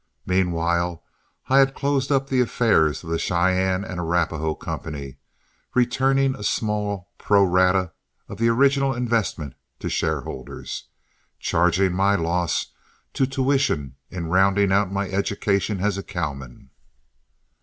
Meanwhile I had closed up the affairs of the Cheyenne and Arapahoe Company, returning a small pro rata of the original investment to shareholders, charging my loss to tuition in rounding out my education as a cowman.